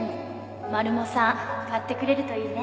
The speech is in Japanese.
マルモさん買ってくれるといいね